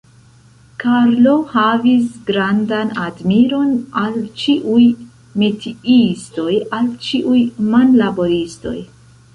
Karlo havis grandan admiron al ĉiuj metiistoj, al ĉiuj manlaboristoj.